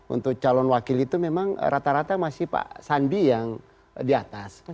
untuk calon wakil itu memang rata rata masih pak sandi yang di atas